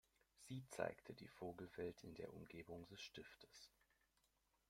Sie zeigt die Vogelwelt in der Umgebung des Stiftes.